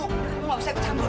kamu gak usah ikut hambur